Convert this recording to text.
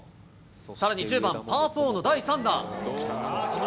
さらに１０番パー４の第３打。